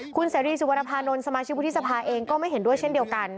คุณเสรีสุวรรณภานนท์สมาชิกวุฒิสภาเองก็ไม่เห็นด้วยเช่นเดียวกัน